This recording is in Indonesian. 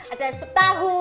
ada sup tahu